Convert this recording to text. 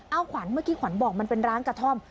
เอาขวัญเมื่อกี้ขวัญบอกมันเป็นร้านกระท่อม